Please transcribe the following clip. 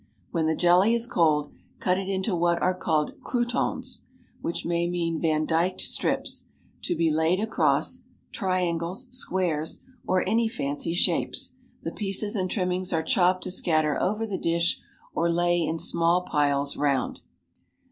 When the jelly is cold, cut it into what are called croûtons, which may mean vandyked strips, to be laid across, triangles, squares, or any fancy shapes; the pieces and trimmings are chopped to scatter over the dish or lay in small piles round.